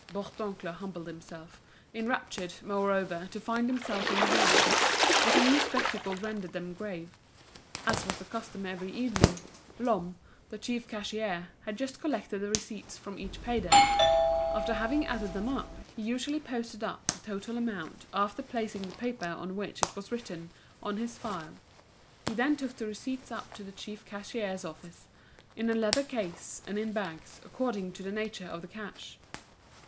Bourdoncle humbled himself, enraptured, moreover, to find himself in the wrong. But a new spectacle rendered them grave. As was the custom every evening, Lhomme, the chief cashier, had just collected the receipts from each pay desk; after having added them up, he usually posted up the total amount after placing the paper on which it was written on his file. He then took the receipts up to the chief cashier's office, in a leather case and in bags, according to the nature of the cash.